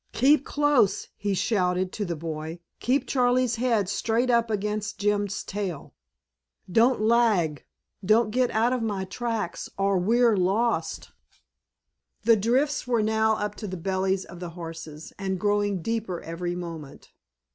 "Keep close!" he shouted to the boy, "keep Charley's head right up against Jim's tail! Don't lag, don't get out of my tracks or we're lost!" The drifts were now up to the bellies of the horses, and growing deeper every moment.